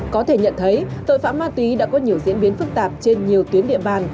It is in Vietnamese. có thể nhận thấy tội phạm ma túy đã có nhiều diễn biến phức tạp trên nhiều tuyến địa bàn